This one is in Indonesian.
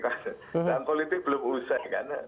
tahun politik belum usai karena